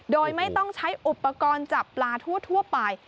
โดยไม่ต้องใช้อุปกรณ์จับปลาทั่วไป